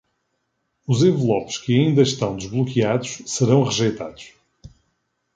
Os envelopes que ainda estão desbloqueados serão rejeitados.